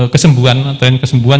kesembuhan tren kesembuhan